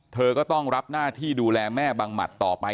เธอก็ต้องรับหน้าที่ดูแลแม่บังหมัดต่อไป